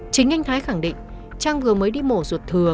chính anh thái khẳng định trang vừa mới đi mổ ruột thừa